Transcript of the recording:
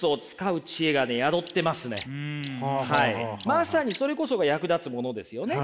まさにそれこそが役立つものですよね？